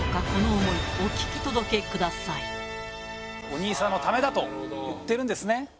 お兄さんのためだと言ってるんですね。